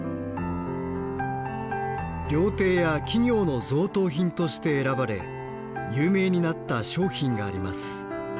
料亭や企業の贈答品として選ばれ有名になった商品があります。